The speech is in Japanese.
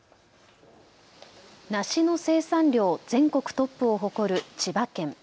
梨の生産量全国トップを誇る千葉県。